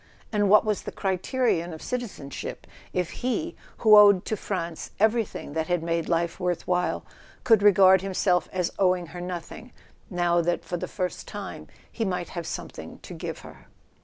And what was the criterion of citizenship, if he, who owed to France everything that had made life worth while, could regard himself as owing her nothing, now that for the first time he might have something to give her?